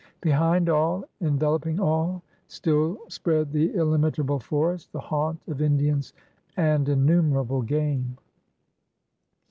Behind all, enveloping all, still spread the illimit able forest, the haunt of Indians and innumerable game.